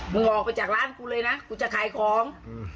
ออกไปจากร้านกูเลยนะกูจะขายของ